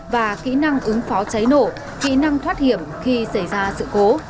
và kỹ năng ứng phó cháy nổ kỹ năng thoát hiểm khi xảy ra sự cố